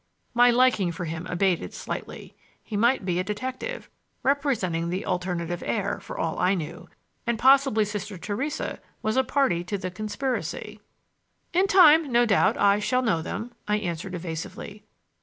My liking for him abated slightly. He might be a detective, representing the alternative heir, for all I knew, and possibly Sister Theresa was a party to the conspiracy. "In time, no doubt, in time, I shall know them," I answered evasively.